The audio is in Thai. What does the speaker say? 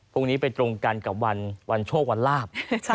พรุ่งนี้ไปตรงกันกับวันโชควันลาบ